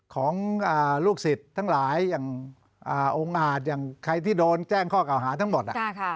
ของลูกศิษย์ทั้งหลายอย่างองค์อาจอย่างใครที่โดนแจ้งข้อเก่าหาทั้งหมด